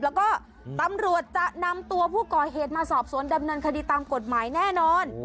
แล้วก็ตำรวจจะนำตัวผู้ก่อเหตุมาสอบสวนดำเนินคดีตามกฎหมายแน่นอน